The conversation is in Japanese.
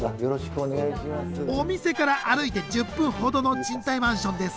お店から歩いて１０分ほどの賃貸マンションです。